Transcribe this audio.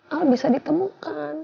al bisa ditemukan